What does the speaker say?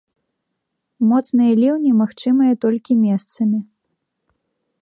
Моцныя ліўні магчымыя толькі месцамі.